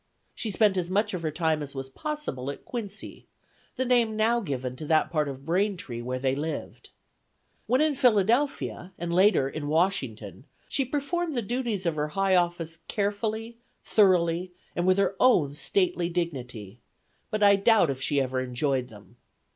She spent as much of her time as was possible at Quincy, the name now given to that part of Braintree where they lived. When in Philadelphia, and later in Washington, she performed the duties of her high office carefully, thoroughly, with her own stately dignity, but I doubt if she ever enjoyed them.